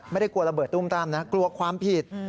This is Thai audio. ไม่ได้กลัวระเบิดตุ้มตั้มนะกลัวความผิด